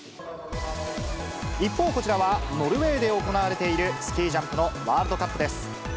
一方、こちらはノルウェーで行われている、スキージャンプのワールドカップです。